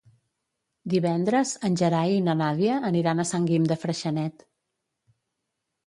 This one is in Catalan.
Divendres en Gerai i na Nàdia aniran a Sant Guim de Freixenet.